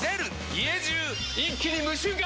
家中一気に無臭化！